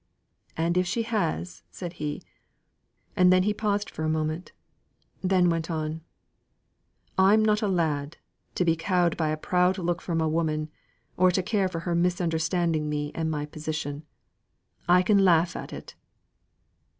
"And if she has," said he and then he paused for a moment then went on: "I'm not a lad, to be cowed by a proud look from a woman, or to care for her misunderstanding me and my position. I can laugh at it!"